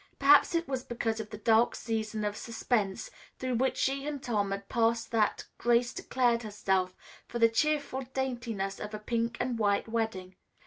Perhaps it was because of the dark season of suspense through which she and Tom had passed that Grace declared herself for the cheerful daintiness of a pink and white wedding.